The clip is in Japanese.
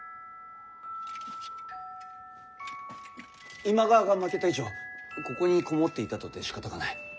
今川が負けた以上ここに籠もっていたとてしかたがない。